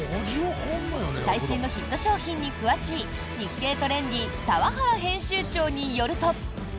最新のヒット商品に詳しい「日経トレンディ」澤原編集長によると。